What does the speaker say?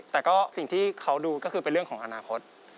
แต่ก็สิ่งที่เขาดูก็คือเป็นเรื่องของอนาคต